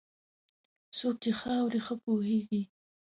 څوک چې ښه اوري، ښه پوهېږي.